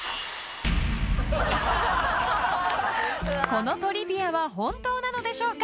［このトリビアは本当なのでしょうか？］